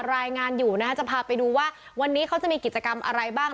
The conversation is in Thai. รายงานอยู่นะคะจะพาไปดูว่าวันนี้เขาจะมีกิจกรรมอะไรบ้าง